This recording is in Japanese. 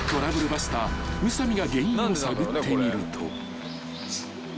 バスター宇佐美が原因を探ってみると］